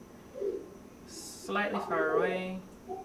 This seaside resort is just away from Valletta, the capital city of Malta.